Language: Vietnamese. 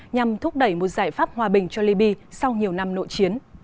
nhằm thúc đẩy một giải pháp hòa bình cho liby sau nhiều năm nội chiến